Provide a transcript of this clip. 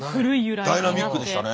ダイナミックでしたね。